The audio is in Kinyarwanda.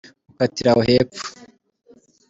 ukatire aho hepfo.